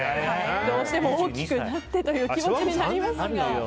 どうしても大きくなってという気持ちになりますが。